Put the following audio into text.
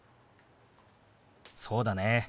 そうだね。